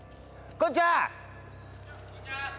こんにちはっす。